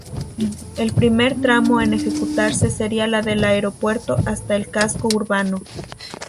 El primer tramo en ejecutarse sería el del Aeropuerto hasta el casco urbano.